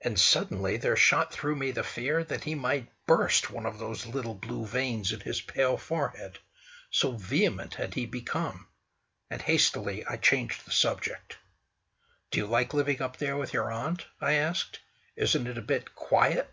And suddenly there shot through me the fear that he might burst one of those little blue veins in his pale forehead, so vehement had he become; and hastily I changed the subject. "Do you like living up there with your aunt?" I asked: "Isn't it a bit quiet?"